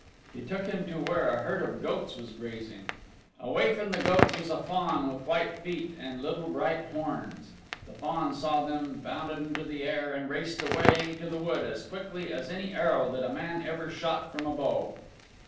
He took him to where a herd of goats was grazing. Away from the goats was a fawn with white feet and little bright horns. The fawn saw them, bounded into the air, and raced away to the wood as quickly as any arrow that a man ever shot from a bow.